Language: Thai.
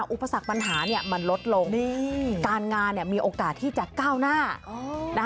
อุปสรรคปัญหามันลดลงการงานมีโอกาสที่จะก้าวหน้านะคะ